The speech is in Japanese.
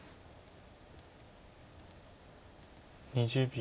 ２０秒。